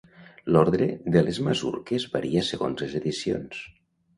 L'ordre de les masurques varia segons les edicions.